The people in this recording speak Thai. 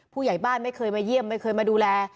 ผู้ใหญ่บ้านไม่เคยมาเยี่ยมไม่เคยมาดูแล